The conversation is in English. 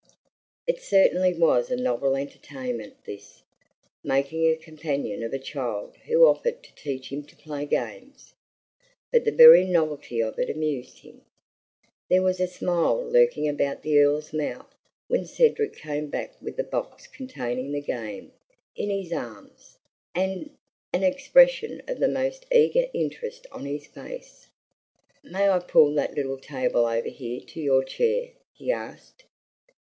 It certainly was a novel entertainment this, making a companion of a child who offered to teach him to play games, but the very novelty of it amused him. There was a smile lurking about the Earl's mouth when Cedric came back with the box containing the game, in his arms, and an expression of the most eager interest on his face. "May I pull that little table over here to your chair?" he asked.